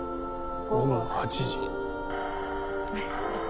午後８時。